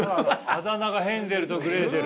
あだ名がヘンゼルとグレーテル。